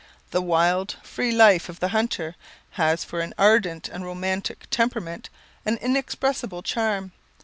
The wild, free life of the hunter, has for an ardent and romantic temperament an inexpressible charm.